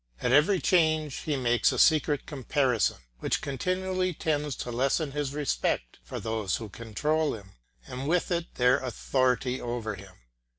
At every change he makes a secret comparison, which continually tends to lessen his respect for those who control him, and with it their authority over him.